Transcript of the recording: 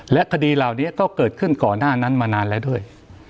และคดีเหล่านี้ก็เกิดขึ้นก่อนหน้านั้นมานานแล้วด้วย